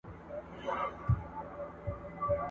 موږ کولای سو چي د کتاب په مرسته خپل ذهن روښانه او فعال وساتو ..